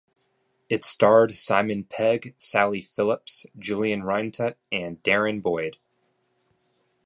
It starred Simon Pegg, Sally Phillips, Julian Rhind-Tutt and Darren Boyd.